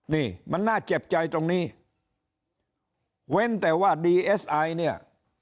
นี่มันน่าเจ็บใจตรงนี้เว้นแต่ว่าดีเอสไอเนี่ย